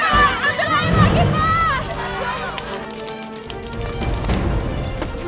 ambil air lagi pak